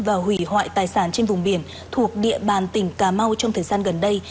và hủy hoại tài sản trên vùng biển thuộc địa bàn tỉnh cà mau trong thời gian gần đây